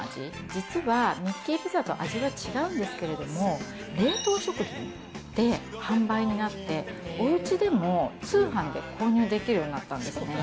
実はミッキーピザと味は違うんですけれども、冷凍食品で販売になって、おうちでも通販で購入できるようになったんですね。